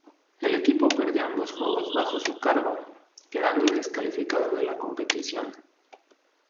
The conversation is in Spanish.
El equipo perdió ambos juegos bajo su cargo, quedando descalificado de la competición.